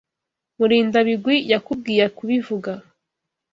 Murindabigwi yakubwiye kubivuga?